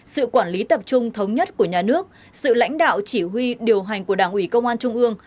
sự quản lý tập trung thống nhất của nhà nước sự lãnh đạo chỉ huy điều hành của đảng ủy công an trung ương